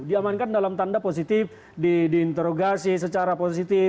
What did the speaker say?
diamankan dalam tanda positif diinterogasi secara positif